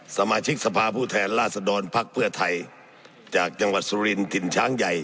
สมาชิกสภาผู้แทนราษฎรภักดิ์เพื่อไทยจากจังหวัดสุรินถิ่นช้างใหญ่